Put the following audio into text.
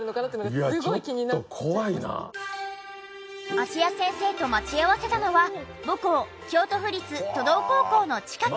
芦谷先生と待ち合わせたのは母校京都府立莵道高校の近く。